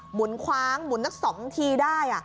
หุนคว้างหมุนสัก๒ทีได้